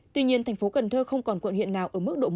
tuy nhiên thành phố cần thơ không còn quận huyện nào ở mức độ một